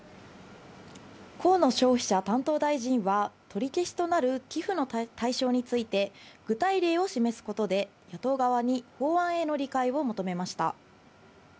河野消費者担当大臣は、取り消しとなる寄付の対象について、具体例を示すことで、野党側に法案への理解を求めました。